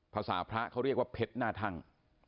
ทราภพระเขาเรียกว่าเผ็ดนะท่ัง